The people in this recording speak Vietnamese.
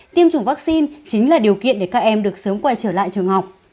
tiêm chủng vaccine chính là điều kiện để các em được sớm quay trở lại trường học